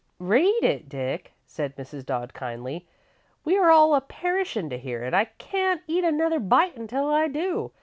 "Read it, Dick," said Mrs. Dodd, kindly. "We are all a perishin' to hear it. I can't eat another bite until I do.